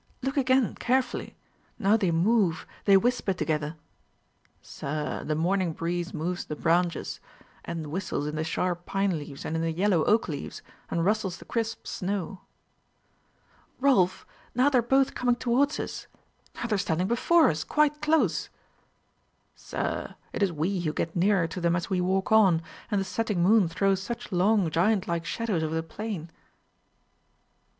look again carefully! Now they move, they whisper together." "Sir, the morning breeze moves the branches, and whistles in the sharp pine leaves and in the yellow oak leaves, and rustles the crisp snow." "Rolf, now they are both coming towards us. Now they are standing before us, quite close." "Sir, it is we who get nearer to them as we walk on, and the setting moon throws such long giant like shadows over the plain."